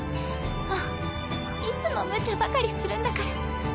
もういつもむちゃばかりするんだから。